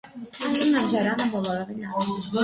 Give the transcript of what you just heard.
Իմ ննջարանս բոլորովին առանձին է.